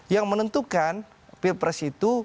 yang menentukan pilpres itu